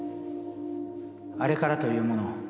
あれからというもの